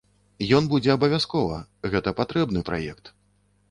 Ён будзе абавязкова, гэта патрэбны праект.